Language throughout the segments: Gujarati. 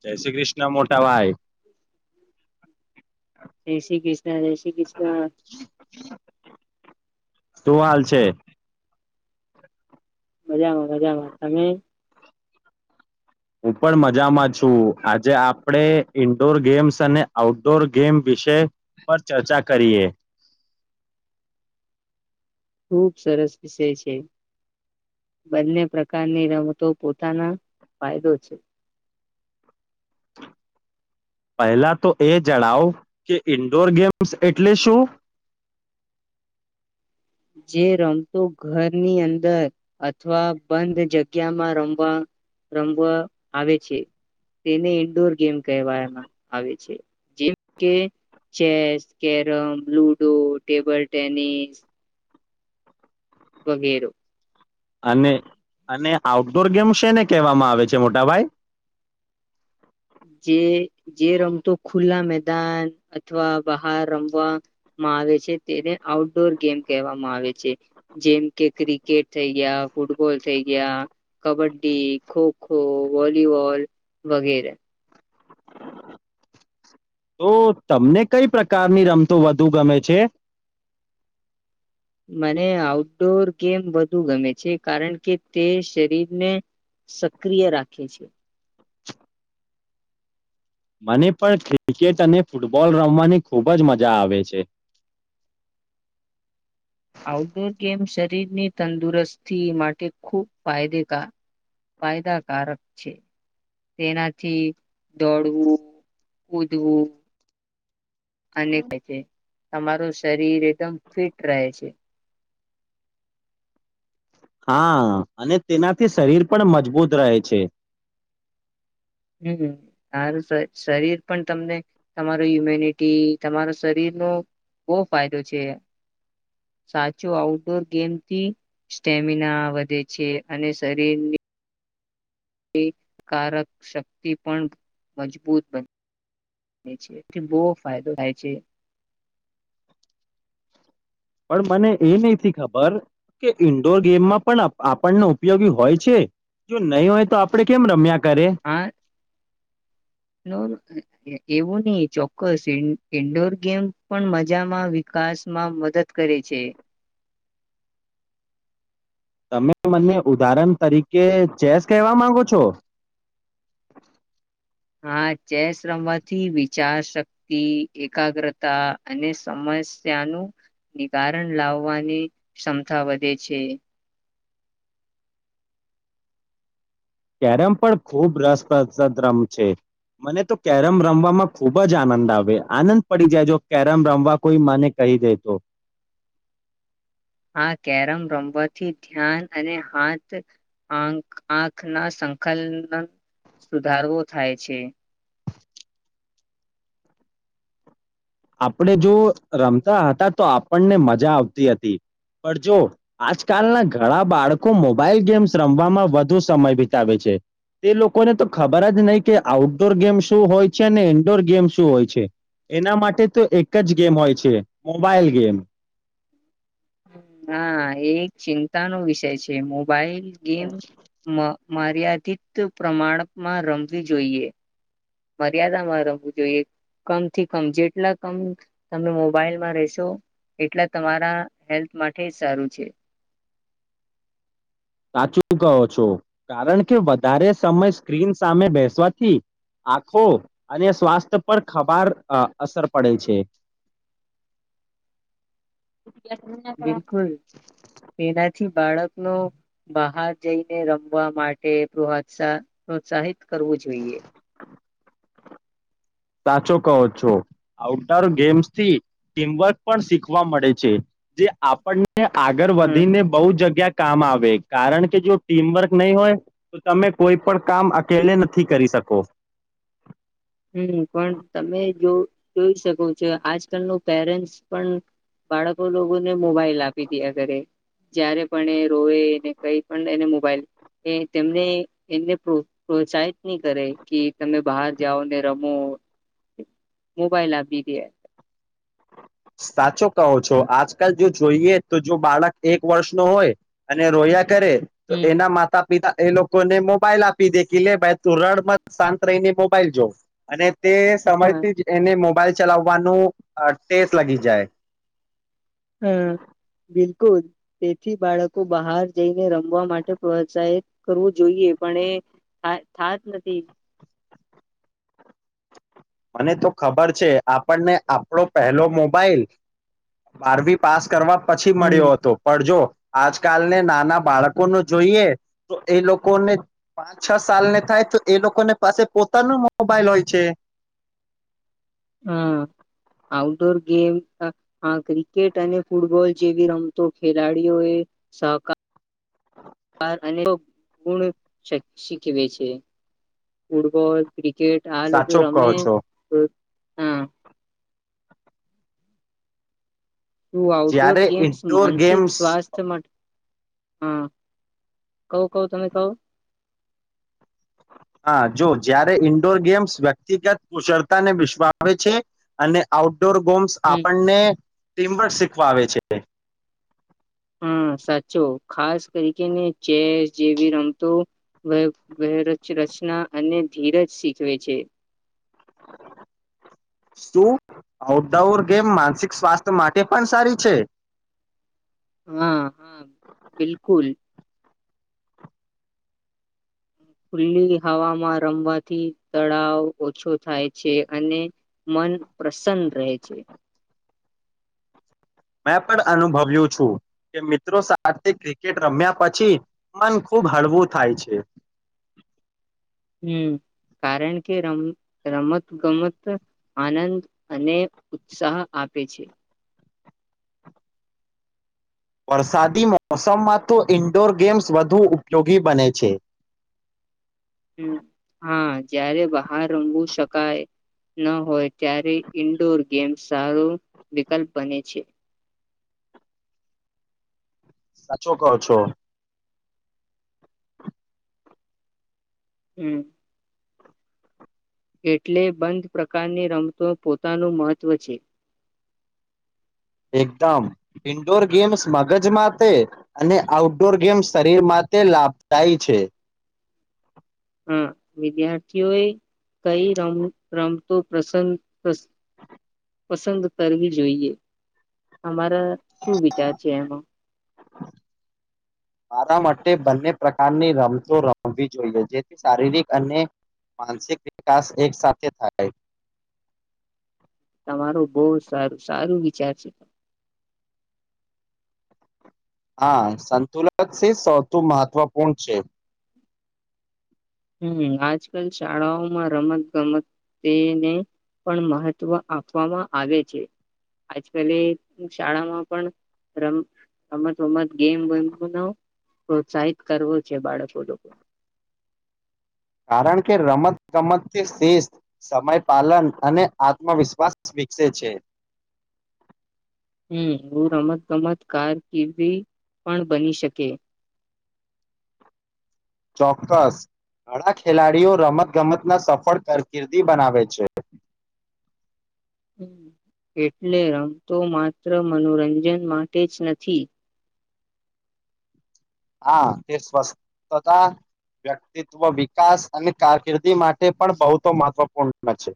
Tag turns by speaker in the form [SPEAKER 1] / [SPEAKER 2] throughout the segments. [SPEAKER 1] જય શ્રી કૃષ્ણ મોટા ભાઈ
[SPEAKER 2] જ શ્રી ક આપ શ્રીકૃષ્ણ
[SPEAKER 1] તું હાલ છે
[SPEAKER 2] મજામાં મજામાં તમે
[SPEAKER 1] હું પણ મજામાં છું આજે આપડણે ઈન્ડોર ગેમ્સ અને આઉટડોર ગેમ વિષ પર ચર્ચા કરીએ
[SPEAKER 2] ખૂબ સરસ વિષય છે બંને પ્રકારની રમતો પોતાના ફાયદો છે
[SPEAKER 1] પહેલા તો એ જણાવ કે ઈન્ડોર ગેમ્સ એટલે શું
[SPEAKER 2] જે રમતો ઘરની અંદર અથવા બંધ જગ્યામાં રમવા રમવા આવે છે તેને ઇન્ડોર ગેમ કહેવામાં આવે છે જેમ કે chess carrom ludo table tennis વગેર
[SPEAKER 1] અને અને આઉટડોર ગેમ્ છે ને કહેવામાં આવે છે મોટાભાઈ
[SPEAKER 2] જે જે રમતો ખુલ્લા મેદાન અથવા બહાર રમવામાં આવે છે તેને આઉટડોર ગેમ કહેવામાં આવે છે જેમ કે ક્રિકેટ થઈ ગયા ફૂટબોલ થઈ ગયા કબડ્ડી ખોખો વોલીબોલ વગેરે
[SPEAKER 1] તો તમને કઈ પ્રકારની રમતો વધુ ગમે છે
[SPEAKER 2] મને આઉટડોર ગેમ વધુ ગમે છે કારણ કે તે શરીરને સક્રિય રાખે છે
[SPEAKER 1] મને પણ ક્રિકેટ અને ફૂટબોલ રમવાની ખૂબ જ મજા આવે છે
[SPEAKER 2] આઉટડોર ગેમ શરીરની તંદુરસ્તી માટે ખૂબ ફાયદ ફાયદાકારક છે તેનાથી દોડવું ઉદવું અને કહે છે તમારું શરીર એકદમ ફિટ રહે છે
[SPEAKER 1] હા અને તેનાથી શરીર પણ મજબૂત રહે છે
[SPEAKER 2] હમરું શરીર પણ તમને તમારો ઇમ્યુનિટી તમારા શરીરનોો બહુ ફાયદો છે સાચો આઉટડોર ગેમથી સ્ટેમિના વધે છે અને શરીરની એ કારક શક્તિ પણ મજબૂત બની છેથી બહુ ફાયદો થાય છે
[SPEAKER 1] પણ મને એ નહ ખબર કે ઈન્ડોર ગેમમાં પણ આપણને ઉપયોગી હોય છે જો નહી હોય તો આપડણે કેમ રમ્યા કરે
[SPEAKER 2] આ એવું નહીિ ચોક્કસ ઇન્ડોર ગેમ પણ મજામાં વિકાસમાં મદદ કરે છે
[SPEAKER 1] તમે મને ઉદાહરણ તરીકે ચેસ કહેવા માંગો છો
[SPEAKER 2] હા ચસ રમવાથી વિચાર શક્તિ એકાગ્રતા અને સમસ્યાનું નિવારણ લાવવાની ક્ષમતા વધે છે
[SPEAKER 1] કેરમ પણ ખૂબ રસપ્રદદ રમ છે મને તો કેરમ રમવામાં ખૂબ જ આનંદ આવે આનંદ પડી જાય જો કેરમ રમવા કોઈ મને કહી દે તો
[SPEAKER 2] આ કેરમ રમવાથી ધ્યાન અને હાથ આંખના સંકલન સુધારવો થાય છે
[SPEAKER 1] આપણે જો રમતા હતા તો આપણને મજા આવતી હતી પણ જો આજકાલના ઘણા બાળકો મોબાઈલ ગેમ્સ રમવામાં વધુ સમય વિતાવે છે તે લોકોને તો ખબર જ નહી કે આઉટડોર ગેમ શું હોય છે અને ઇન્ડોર ગેમ શું હોય છે એના માટે તો એક જ ગેમ હોય છે મોબાઈલ ગેમ
[SPEAKER 2] હા એ એક ચિંતા નો વિષય છે મો ગેમ્યાદ અધિત પ્રમાણમાં રમવી જોઈએ. મર્યાદામાં રમવું જોઈએ કમથી કમ જેટલા કમ તમે મોબાઈલમાં રહેશો એટલા તમારા હેલ્થ માટે સારું છે.
[SPEAKER 1] સાચું કહો છો કારણ કે વધારે સમય સ્ક્રીન સામે બેસવાથી આખો અને સ્વાસ્થ્ય પર ખભાર અસર પડે છે.
[SPEAKER 2] બિલકુલ તેનાથી બાળક નો બહાર જઈને રમવા માટે પ્રત્સા પ્રોત્સાહિત કરવું જોઈએ.
[SPEAKER 1] સાચો કહો છો આઉટડોર ગેમ્સથી ટીમવર્ક પણ શીખવા મળે છે જે આપણને આગળ
[SPEAKER 2] હમ
[SPEAKER 1] વધીને બહુ જગ્યા કામ આવે કારણ કે જો ટીમવર્ક નહી હોય તો તમે કોઈ પણ કામ અકેલે નથી કરી શકો.
[SPEAKER 2] હમ્મ પણ તમે જો જોઈ શકો છો આજકાલ ન પેરેન્ટ્સ પણ બાળકો લોકોને મોબાઈલ આપી દીયા કરે જ્યારે પણ એ રોયે ને કઈ પણ એને મોબાઈલ એ તેમને એને પ્રોત્સાહિત નહી કરે કે તમે બહાર જાઓ ને રમો મોબાઈલ આપી દીયે.
[SPEAKER 1] સાચો કહો છો આજકાલ જો જોઈએ તો જો બાળક એક વર્ષ નો હોય અને રોયા કરે તો
[SPEAKER 2] હમ
[SPEAKER 1] એના માતા પિતા એ લોકોને મોબાઈલ આપી દેખ લે ભાઈ તું રડમાં શાંત રહીને મોબાઈલ જો. અને તે
[SPEAKER 2] હા
[SPEAKER 1] સમજથી જ એને મોબાઈલ ચલાવવાનું હ ટેસ લગી જાય.
[SPEAKER 2] હમ્મ બિલકુલ તેથી બાળકો બહાર જઈને રમવા માટે પ્રોત્સાહિત કરવું જોઈએ પણ એ થ થાત નથી.
[SPEAKER 1] મને તો ખબર છે આપણને આપણો પહેલો મોબાઈલ બારમી પાસ કરવા પછી
[SPEAKER 2] હમ
[SPEAKER 1] મળ્યો હતો. પડજો આજકાલને નાના બાળકો ન જોઈએ તો એ લોકોને પાંચ છ સાલને થાય તો એ લોકોને પાસે પોતાનો મોબાઈલ હોય છે.
[SPEAKER 2] હા આઉટડોર ગેમ હા ક્રિકેટ અને ફૂટબોલ જેવી રમતો ખેલાડીઓ એ સહકાર અને ગુણ શી શીખવે છે ફૂટબોલ ક્રિકેટ કેટ આ લોકો
[SPEAKER 1] સાચો કહો
[SPEAKER 2] રમે
[SPEAKER 1] છો
[SPEAKER 2] હા તું આઉટડોર
[SPEAKER 1] જ્યારે
[SPEAKER 2] ગેમ્સ
[SPEAKER 1] ઇન્ડોર
[SPEAKER 2] માનસિક
[SPEAKER 1] ગેમ્સ
[SPEAKER 2] સ્વાસ્થ્ય માટે હા કવ કવ તમે કવ
[SPEAKER 1] હા. જો જયારે ઈન્ડોર ગેમ્સ વ્યક્તિગત કુશળતા ને વિશવાવે છે અને આઉટ ડોર ગોમ્સ
[SPEAKER 2] હમ્મ
[SPEAKER 1] આપણને ટીમ પણ શીખવા આવે છે.
[SPEAKER 2] હા. સાચો ખાસ કરીકેને ચેસ જેવી રમતો વ વચરચના અને ધીરજ શીખવે છે.
[SPEAKER 1] શું આઉટડોર ગેમ માનસિક સ્વાસ્થ્ય માટે પણ સારી છે?
[SPEAKER 2] હા હા બિલકુલ. ખુલ્લી હવામાં રમવાથી તળાવ ઓછો થાય છે અને મન પ્રસન્ન રહે છે.
[SPEAKER 1] મેં પણ અનુભવ્યું છું કે, મિત્રો સાથે ક્રિકેટ રમ્યા પછી મન ખૂબ હળવું થાય છે.
[SPEAKER 2] હમ્મ કારણ કે, રમ રમત ગમત આનંદ અને ઉત્સાહ આપે છે.
[SPEAKER 1] વરસાદી મોસમમાં તો ઇન્ડોર ગેમ્સ વધુ ઉપયોગી બને છે.
[SPEAKER 2] હમ કાય ન હોય ત્યારે ઈન્ડોર ગેમ્ સારો વિકલ્પ બને છે.
[SPEAKER 1] સાચો કો છો.
[SPEAKER 2] હમ. એટલે બંધ પ્રકારની રમતો પોતાનું મહત્વ છે.
[SPEAKER 1] એકદમ ઇન્ડોર ગેમ્સ મગજ માટે અને આઉટડોર ગેમ્સ શરીર માટે લાભદાયી છે.
[SPEAKER 2] હા. વિદ્યાર્થીઓએ કઈ રમ રમ તો પ્રસન
[SPEAKER 1] [inaudible]
[SPEAKER 2] પસંદ કરવી જોઈએ, અમારા શું વિચાર છે એમાં?
[SPEAKER 1] મારા માટે બંને પ્રકારની રમતો રમવી જોઈએ જેથી શારીરિક અને માનસિક વિકાસ એક સાથે થાય.
[SPEAKER 2] મારું બહ સારું સારું વિચાર છે.
[SPEAKER 1] હા. સંતુલન છે, સૌથી મહત્વપૂર્ણ છે.
[SPEAKER 2] હમ આજકાલ શાળાઓમાં રમત ગમતને પણ મહત્વ આપવામાં આવે છે. આજકાલે શાળામાં પણ રમ રમત ગમત ગેમ વેમ નો પ્રોત્સાહિત કરવો છે. બાળકો લોકો
[SPEAKER 1] કારણ કે રમતગમતથી શિસ્ત, સમય, પાલન અને આત્મવિશ્વાસ વિકસે છે.
[SPEAKER 2] હમ હું રમત ગમત કારકિર્દી પણ બની શકે.
[SPEAKER 1] ચોક્કસ ઘણા ખેલાડીઓ રમતગમતના સફળ કારકિર્દી બનાવે છે.
[SPEAKER 2] હ એટલે રમતો માત્ર મનોરંજન માટે જ નથી.
[SPEAKER 1] હા. તે સ્વસ્થતા, વ્યક્તિત્વ વિકાસ અને કારકિર્દી માટે પણ બહતો મહત્વપૂર્ણ છે.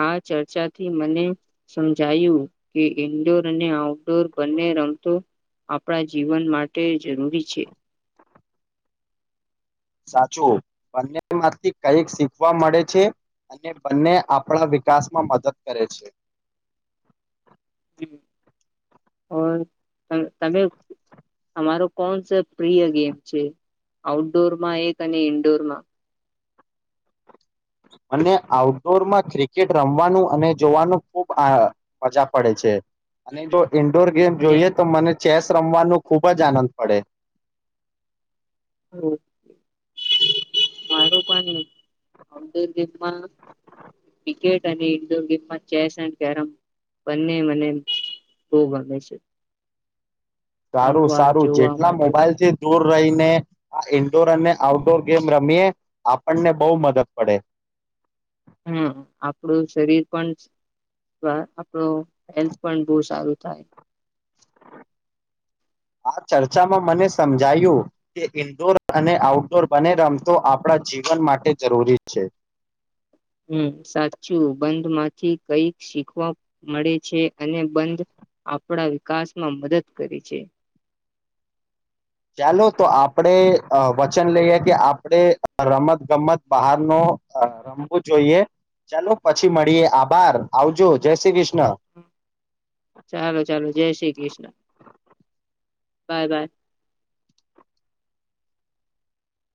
[SPEAKER 2] આ ચર્ચાથી મને સમજાયું કે ઈન્ડોર અને આઉટડોર બંને રમતો આપણા જીવન માટે જરૂરી છે.
[SPEAKER 1] સાચું બંનેમાંથી કઈક શીખવા મળે છે અને બંને આપણા વિકાસમાં મદદ કરે છે.
[SPEAKER 2] હ તમે તમારો કોણ સ પ્રિય ગેમ છે આઉટડોરમાં એક અને ઇન્ડોરમાં?
[SPEAKER 1] મ આઉટડોર માં ક્રિકેટ રમવાનું અને જોવાનું ખૂબ મજા પડે છે અને જો ઇન્ડોર
[SPEAKER 2] હમ,
[SPEAKER 1] ગેમ
[SPEAKER 2] અને
[SPEAKER 1] જોઈએ તો મને ચેસ રમવાનું ખૂબ જ આનંદ પડે.
[SPEAKER 2] માર પણોર ગેમમાં ક્રિકેટ અને ડોર ગેમમાં ચેસ એડ કેરમ બંને મને ખહબ ગમે છે.
[SPEAKER 1] સારું
[SPEAKER 2] રમવા
[SPEAKER 1] સારું
[SPEAKER 2] જોવા
[SPEAKER 1] જેટલા
[SPEAKER 2] માટે પણ
[SPEAKER 1] મોબાઈલ થી દૂર રહી ને ઇડોર અને આઉટડોર ગેમ રમીએ આપણને બહુ મદદ પડે
[SPEAKER 2] હમ આપણુ શરીર પણ આપણો હેલ્થ પણ બહુ સારું થાય
[SPEAKER 1] આ ચર્ચામા મને સમજાયુ કે ઈન્ડોર અને આઉટડોર બને રમતો આપણા જીવન માટે જરૂરી છે
[SPEAKER 2] હમ સાચુ બંધ માંથી કઈક શીખવા મળે છે અને બંધ આપણા વિકાસમા મદદ કરે છે
[SPEAKER 1] ચાલો તો આપડે વચન લઈએ કે આપડણે રમત ગમત બહાર નો રમવુ જોઈએ ચાલો પછી મળીએ આભાર આવજો જય શ્રી કૃષ્ણ
[SPEAKER 2] ચાલો ચાલો જય શ્રી કૃષ્ણ બાય બાય